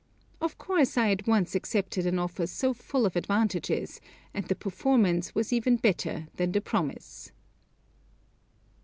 Of course I at once accepted an offer so full of advantages, and the performance was better even than the promise.